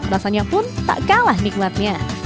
rasanya pun tak kalah nikmatnya